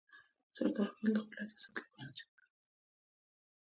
سردارخېلو د خپل حیثیت د ساتلو لپاره هڅې وکړې.